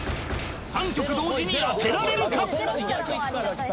３曲同時に当てられるか！？